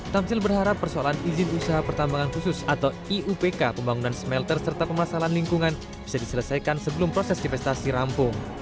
tamzil berharap persoalan izin usaha pertambangan khusus atau iupk pembangunan smelter serta pemasalan lingkungan bisa diselesaikan sebelum proses divestasi rampung